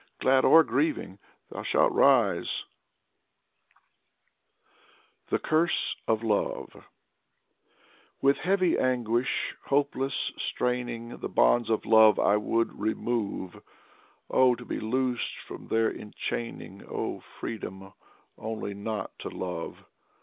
Glad or grieving, thou shalt rise." 6o Dmitry Merezhkovsky THE CURSE OF LOVE With heavy anguish, hopeless straining, The bonds of love I would remove. Oh, to be loosed from their enchaining! Oh, freedom, only not to love!